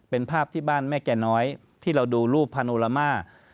เป็นภาพที่บ้านแม่แก่น้อยที่เราดูรูปพาโนลาม่า